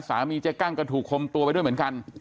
เจ๊กั้งก็ถูกคมตัวไปด้วยเหมือนกัน